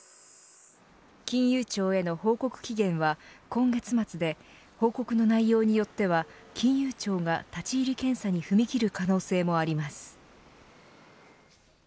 金融庁への報告期限は、今月末で報告の内容によっては金融庁が立ち入り検査に踏み切る可能性もあります。